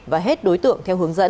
và hết đối tượng theo hướng dẫn